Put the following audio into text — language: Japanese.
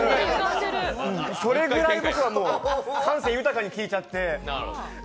それぐらい僕はもう感性豊かに聴いちゃって。